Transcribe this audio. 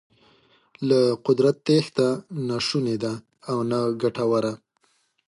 له قدرته تېښته نه شونې ده او نه ګټوره.